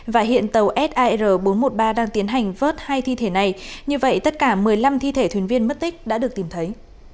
và hiện tàu sir bốn trăm một mươi ba đang tiến hành vớt hai thi thể này như vậy tất cả một mươi năm thi thể thuyền viên mất tích đã được tìm thấy